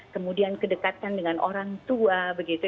kemudian kedekatan dengan orang tua begitu